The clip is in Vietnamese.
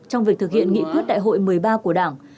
trong việc thực hiện nghị quyết đại hội một mươi ba của đảng